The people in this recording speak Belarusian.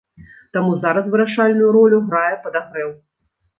Таму зараз вырашальную ролю грае падагрэў.